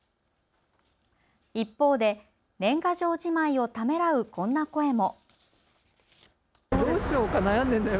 一方で年賀状じまいをためらうこんな声も。